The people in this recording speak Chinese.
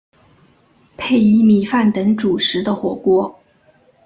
配以米饭等主食的火锅。